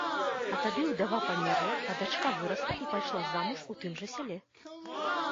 А тады ўдава памерла, а дачка вырасла і пайшла замуж у тым жа сяле.